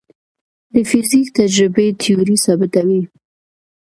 د فزیک تجربې تیوري ثابتوي.